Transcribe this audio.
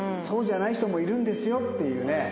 そうじゃない人もいるんですよっていうね。